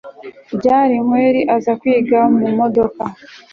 ryari kweli aza kwiga mumodoka